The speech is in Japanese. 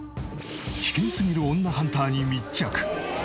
危険すぎる女ハンターに密着。